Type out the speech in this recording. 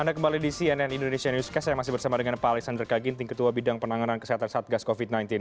anda kembali di cnn indonesia newscast saya masih bersama dengan pak alexander kaginting ketua bidang penanganan kesehatan satgas covid sembilan belas